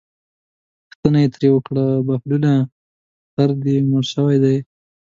پوښتنه یې ترې وکړه بهلوله خر دې مړ شوی دی.